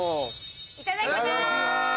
いただきます！